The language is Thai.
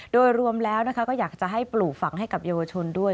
โดยรวมแล้วก็อยากจะให้ปลูกฝังให้กับเยาวชนด้วย